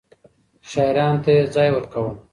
شاعرانو ته يې ځای ورکاوه.